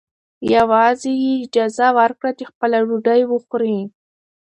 یوازې یې اجازه ورکړه چې خپله ډوډۍ وخوري.